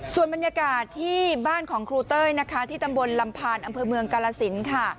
ส่วนบรรยากาศที่บ้านของครูเต้ยนะคะที่ตำบลลำพานอำเภอเมืองกาลสินค่ะ